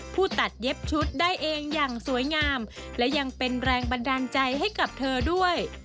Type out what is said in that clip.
ผู้ตัดเย็บชุดได้เองอย่างสวยงามและยังเป็นแรงบันดาลใจให้กับเธอด้วย